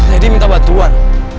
aku minta bantuan